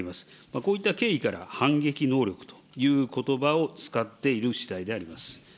こういった経緯から、反撃能力ということばを使っているしだいであります。